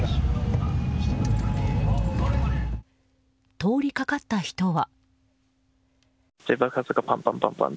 通りかかった人は。